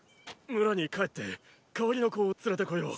⁉村に帰って代わりの子を連れてこよう。